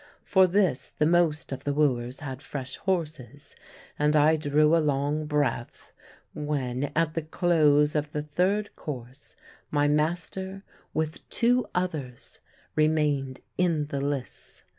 For this the most of the wooers had fresh horses, and I drew a long breath when, at the close of the third course, my master, with two others, remained in the lists.